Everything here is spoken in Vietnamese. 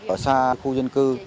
ở xa khu dân cư